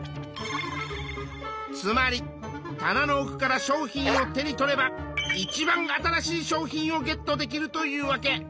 つまり棚の奥から商品を手に取ればいちばん新しい商品をゲットできるというわけ。